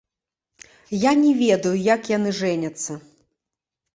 Я не ведаю, як яны жэняцца.